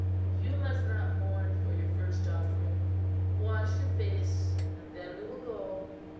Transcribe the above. You must not mourn for your first offering. Wash your face and then we will go."